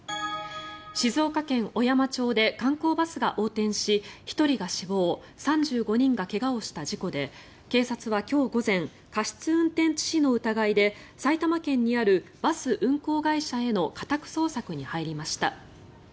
静岡県小山町で観光バスが横転し１人が死亡３５人が怪我をした事故で警察は今日午前過失運転致死の疑いで埼玉県にあるバス運行会社への家宅捜索に入りました。